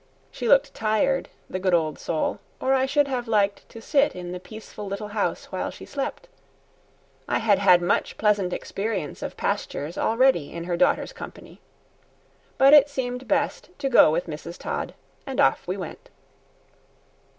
She looked tired, the good old soul, or I should have liked to sit in the peaceful little house while she slept; I had had much pleasant experience of pastures already in her daughter's company. But it seemed best to go with Mrs. Todd, and off we went.